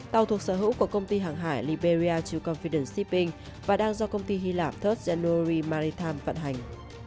tàu thuộc sở hữu của công ty hàng hải liberia chukomfiden shipping và đang do công ty hy lạp ba rd january maritime phận hành